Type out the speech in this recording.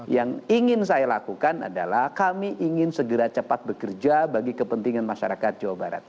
yang ingin saya lakukan adalah kami ingin segera cepat bekerja bagi kepentingan masyarakat jawa barat